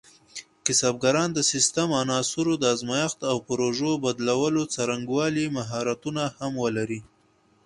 کسبګران د سیسټم عناصرو د ازمېښت او پرزو بدلولو څرنګوالي مهارتونه هم ولري.